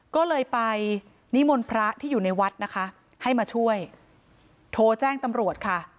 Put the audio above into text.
ก็เลยไปนิมนต์พระที่อยู่ในวัดนะคะให้มาช่วยโทรแจ้งตำรวจค่ะ